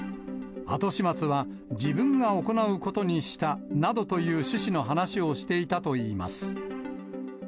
後始末は自分がおこなうことにしたなどという趣旨の話をしていたといいます。